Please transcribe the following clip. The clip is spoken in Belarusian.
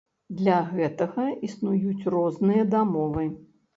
Для гэтага існуюць розныя дамовы.